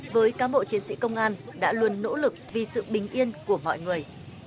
với cán bộ chiến sĩ công an đã luôn nỗ lực vì sự bình yên của mọi người